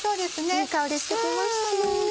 いい香りしてきましたね。